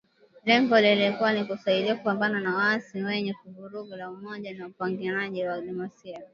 Lengo lilikuwa ni kusaidia kupambana na waasi wenye vurugu wa Umoja wa wapiganaji wa Kidemokrasia.